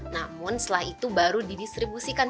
namun setelah itu baru didistribusikan